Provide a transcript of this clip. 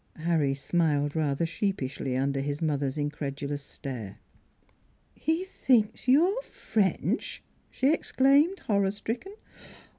Harry smiled rather sheepishly under his mother's incredulous stare. "He thinks you are French!" she exclaimed, horror stricken.